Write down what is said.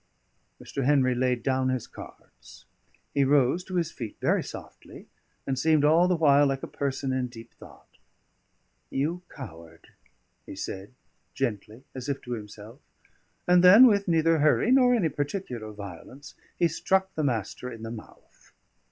Mr. Henry laid down his cards. He rose to his feet very softly, and seemed all the while like a person in deep thought. "You coward!" he said gently, as if to himself. And then, with neither hurry nor any particular violence, he struck the Master in the mouth.